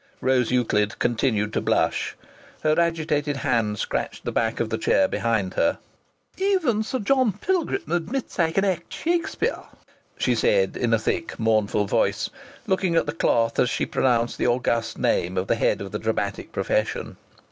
Rose Euclid continued to blush. Her agitated hand scratched the back of the chair behind her. "Even Sir John Pilgrim admits I can act Shakspere," she said in a thick mournful voice, looking at the cloth as she pronounced the august name of the head of the dramatic profession.